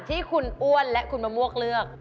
ที่คุณอ้วนและคุณมะม่วงเลือก